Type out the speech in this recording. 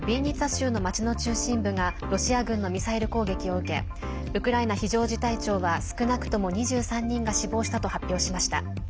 州の町の中心部がロシア軍のミサイル攻撃を受けウクライナ非常事態庁は少なくとも２３人が死亡したと発表しました。